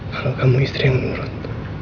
kalau kamu istri yang nurut